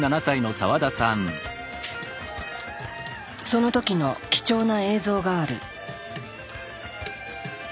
その時の貴重な映像がある。